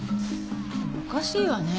おかしいわね。